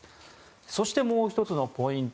そして、もう１つのポイント